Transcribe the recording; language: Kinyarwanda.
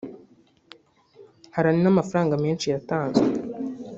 Hari n’amafaranga menshi yatanzwe